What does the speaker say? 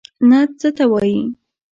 نعت څه ته وايي.